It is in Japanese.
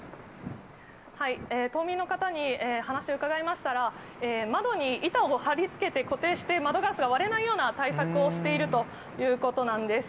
島民の方に話を伺いましたら、窓に板を貼り付けて固定して、窓ガラスが割れないような対策をしているということなんです。